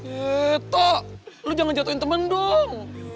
eh tok lo jangan jatohin temen dong